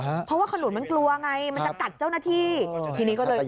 เพราะว่าขนุนมันกลัวไงมันจะกัดเจ้าหน้าที่